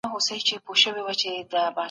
څنګه د هوا ککړتیا مخنیوی کوو؟